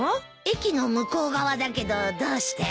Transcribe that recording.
駅の向こう側だけどどうして？